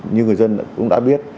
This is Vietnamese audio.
như người dân cũng đã biết